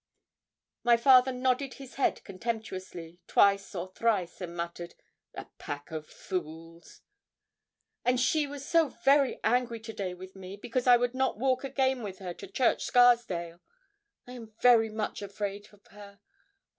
My father nodded his head contemptuously, twice or thrice, and muttered, 'A pack of fools!' 'And she was so very angry to day with me, because I would not walk again with her to Church Scarsdale. I am very much afraid of her.